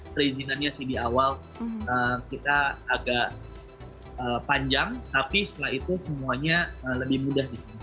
perizinannya sih di awal kita agak panjang tapi setelah itu semuanya lebih mudah